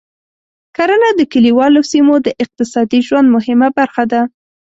کرنه د کليوالو سیمو د اقتصادي ژوند مهمه برخه ده.